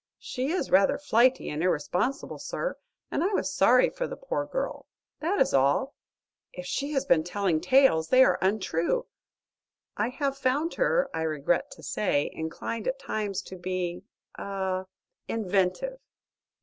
She is rather flighty and irresponsible, sir, and I was sorry for the poor girl. That is all. If she has been telling tales, they are untrue. I have found her, I regret to say, inclined at times to be ah inventive."